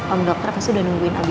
om dokter pasti udah nungguin albi